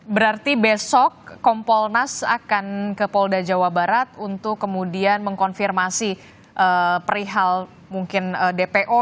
berarti besok kompolnas akan ke polda jawa barat untuk kemudian mengkonfirmasi perihal mungkin dpo